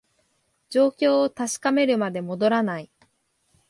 状況を確かめるまで戻らない